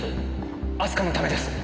明日香のためです！